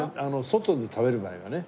外で食べる場合はね。